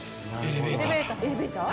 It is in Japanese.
エレベーターだ。